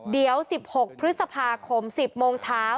เดี๋ยว๑๖พฤษภาคม๑๐โมงเช้า